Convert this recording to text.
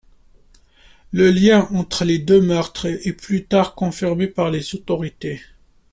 Le lien entre les deux meurtres est plus tard confirmé par les autorités.